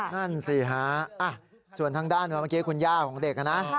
นั่นสิฮะส่วนทางด้านคุณย่าของเด็กนะ